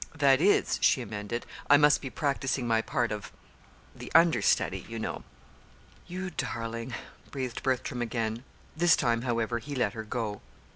"That is," she amended, "I must be practising my part of the understudy, you know." "You darling!" breathed Bertram again; this time, however, he let her go.